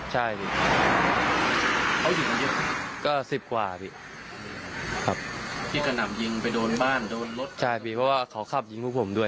ใช่พี่เพราะว่าเขาขับยิงพวกผมด้วย